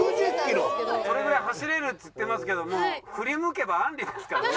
それぐらい走れるっつってますけども振り向けばあんりですからね。